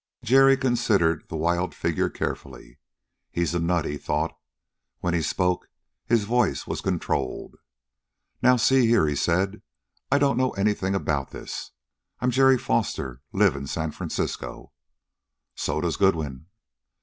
Jerry considered the wild figure carefully. "He's a nut," he thought. When he spoke, his voice was controlled. "Now, see here," he said: "I don't know anything about this. I'm Jerry Foster, live in San Francisco " "So does Goodwin."